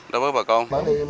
đối với bà con